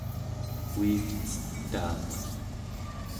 uivcetaaq